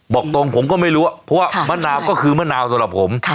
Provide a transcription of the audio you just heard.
บอกตรงผมก็ไม่รู้เพราะว่ามะนาวก็คือมะนาวสำหรับผม